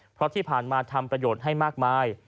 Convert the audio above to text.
เพราะที่ผ่านมาทำประโยชน์ให้มากมาย